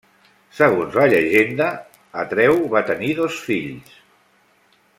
Segons la llegenda, Atreu va tenir dos fills: